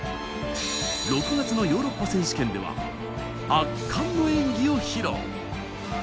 ６月のヨーロッパ選手権では圧巻の演技を披露。